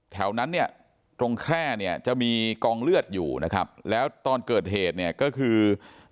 แถวนั้นเนี่ยตรงแคร่เนี่ยจะมีกองเลือดอยู่นะครับแล้วตอนเกิดเหตุเนี่ยก็คือ